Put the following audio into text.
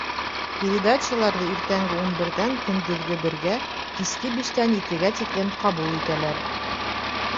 Передачаларҙы иртәнге ун берҙән көндөҙгө бергә, киске биштән етегә тиклем ҡабул итәләр.